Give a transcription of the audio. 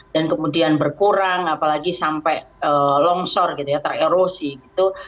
dan kemudian berkurang apalagi sampai longsor gitu ya tererosi gitu